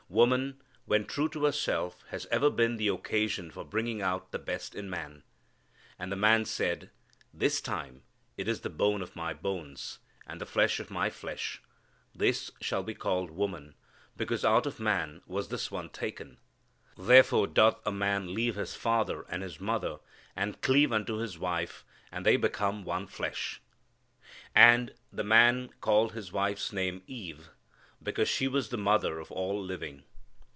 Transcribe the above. Woman, when true to herself, has ever been the occasion for bringing out the best in man. "And the man said, this time it is bone of my bones, and flesh of my flesh; this shall be called woman, because out of man was this one taken. Therefore doth a man leave his father and his mother and cleave unto his wife, and they become one flesh." ... "And the man called his wife's name Eve; because she was the mother of all living."